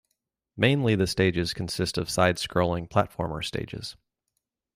Mainly the stages consist of side-scrolling platformer stages.